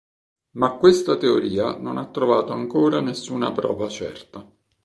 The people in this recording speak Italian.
Ma questa teoria non ha trovato ancora nessuna prova certa.